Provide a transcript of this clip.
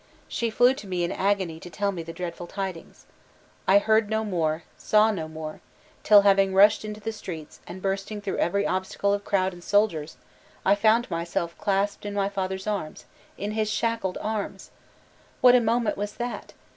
She flew to me in agony to tell me the dreadful tidings. I heard no more, saw no more, till, having rushed into the streets, and bursting through every obstacle of crowd and soldiers, I found myself clasped in my father's arms in his shackled arms! What a moment was that!